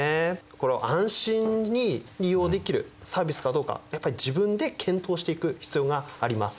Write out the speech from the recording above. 安心に利用できるサービスかどうかやっぱり自分で検討していく必要があります。